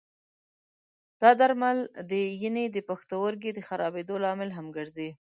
دا درمل د ینې او پښتورګي د خرابېدو لامل هم ګرځي.